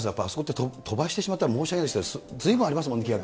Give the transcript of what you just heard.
飛ばしてしまって、申し訳ないんですけど、ずいぶんありますもんね、規約。